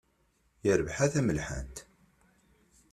Yerbeḥ a tamelḥant.